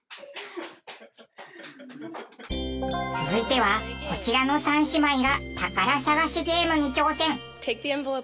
続いてはこちらの３姉妹が宝探しゲームに挑戦。